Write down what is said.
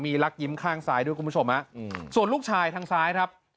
ลักยิ้มข้างซ้ายด้วยคุณผู้ชมฮะส่วนลูกชายทางซ้ายครับ